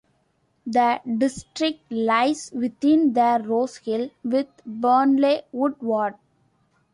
The district lies within the Rosehill with Burnley Wood ward.